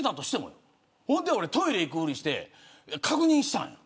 だから、トイレ行くふりして確認したんや。